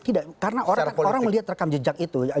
tidak karena orang melihat rekam jejak itu